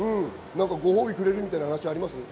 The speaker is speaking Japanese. ご褒美をくれるみたいな話あります？